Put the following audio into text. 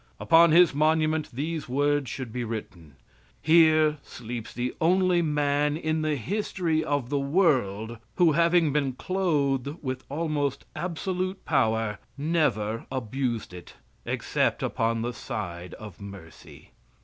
Upon his monument these words should be written: "Here sleeps the only man in the history of the world, who, having been clothed with almost absolute power, never abused it, except upon the side of mercy."